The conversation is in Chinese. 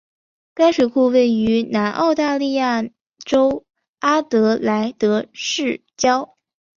该水库位于南澳大利亚州阿德莱德市郊。